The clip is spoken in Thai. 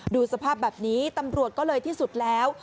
ดูสภาพแบบนี้ตำรวจก็เลยที่สุดแล้ว